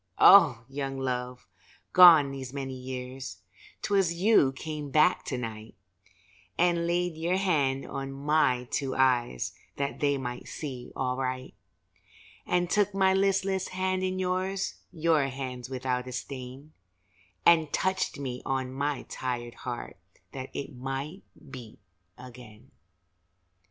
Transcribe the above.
Oh, Young Love, gone these many years, 'Twas you came back to night, And laid your hand on my two eyes That they might see aright, And took my listless hand in yours (Your hands without a stain), And touched me on my tired heart That it might beat again.